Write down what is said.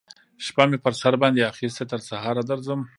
شپه می پر سر باندی اخیستې تر سهاره درځم